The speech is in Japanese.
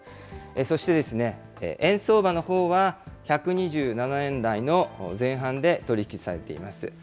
そして、円相場のほうは、１２７円台の前半で取り引きされています。